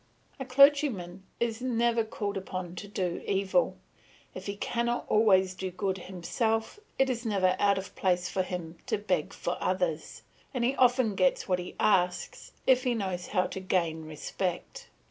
A clergyman is never called upon to do evil; if he cannot always do good himself, it is never out of place for him to beg for others, and he often gets what he asks if he knows how to gain respect.